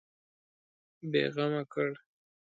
بېغمه کړ.